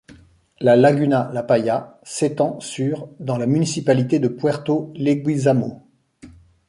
La laguna la Paya s'étend sur dans la municipalité de Puerto Leguízamo.